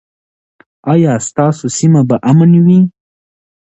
ایا ستاسو سیمه به امن وي؟